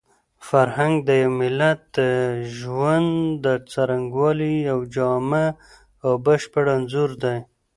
فرهنګ د یو ملت د ژوند د څرنګوالي یو جامع او بشپړ انځور دی.